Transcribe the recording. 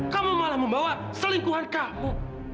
kamu malah membawa selingkuhan kamu